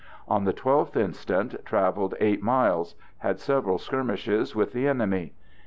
On the 12th instant traveled 8 miles; had several skirmishes with the enemy.